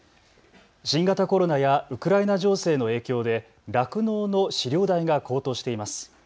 新型コロナやウクライナ情勢の影響で酪農の飼料代が高騰しています。